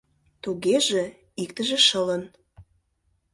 — Тугеже, иктыже шылын.